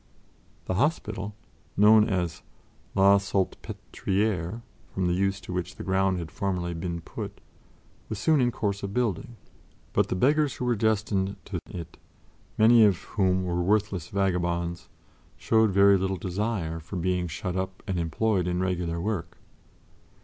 The hospital, known as "La Salpêtrière" from the use to which the ground had formerly been put, was soon in course of building, but the beggars who were destined to 1711 it, many of whom were worthless vagabonds, showed very little desire for being shut up and employed in regular work.